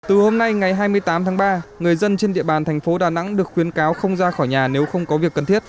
từ hôm nay ngày hai mươi tám tháng ba người dân trên địa bàn thành phố đà nẵng được khuyến cáo không ra khỏi nhà nếu không có việc cần thiết